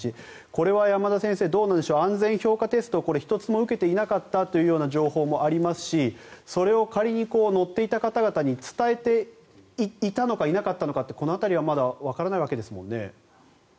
これは山田先生安全評価テストを１つも受けていなかったという情報もありますしそれを仮に乗っていた方々に伝えていたのかいなかったのかこの辺りはまだわからないわけですもんね。